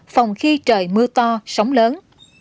phòng khi trời mưa to sóng lớn